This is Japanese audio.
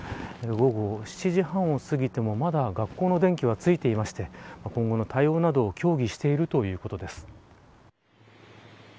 午後７時半を過ぎてもまだ学校の電気はついていまして今後の対応などを協議しているということです。